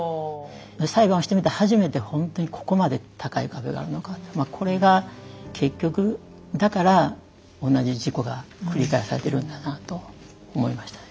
裁判をしてみて初めてほんとにここまで高い壁があるのかこれが結局だから同じ事故が繰り返されてるんだなと思いましたね。